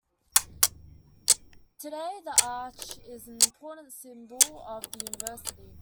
Today, The Arch is an important symbol of the University.